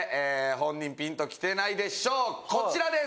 本人ピンときてないでしょうこちらです。